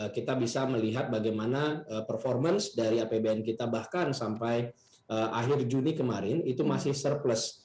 kita bisa melihat bagaimana performance dari apbn kita bahkan sampai akhir juni kemarin itu masih surplus